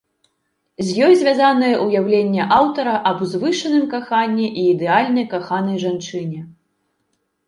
З ёй звязанае ўяўленне аўтара аб узвышаным каханні і ідэальнай каханай жанчыне.